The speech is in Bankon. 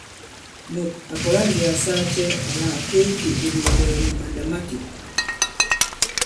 Mùt à kɔ̀la ndī à saa cɛ àla à ke i ikè ìlòòlɛ̀gɛ̀ nì màndà̂makè ?